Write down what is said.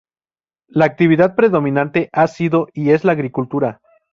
La actividad predominante ha sido y es la agricultura.